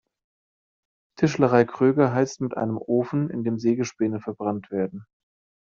Tischlerei Kröger heizt mit einem Ofen, in dem Sägespäne verbrannt werden.